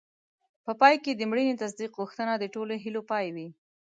په پای کې د مړینې تصدیق غوښتنه د ټولو هیلو پای و.